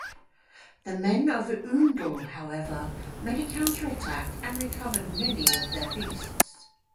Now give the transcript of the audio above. The men of Oundle, however, made a counter-attack and recovered many of their beasts.